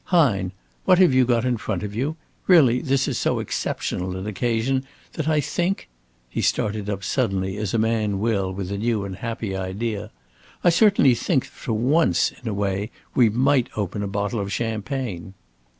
Hine, what have you got in front of you? Really, this is so exceptional an occasion that I think " he started up suddenly, as a man will with a new and happy idea "I certainly think that for once in a way we might open a bottle of champagne."